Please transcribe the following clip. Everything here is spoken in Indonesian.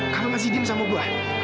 kalau masih diem sama gue